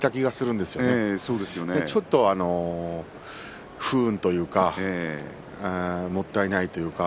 ですから、ちょっと不運というかもったいないというか。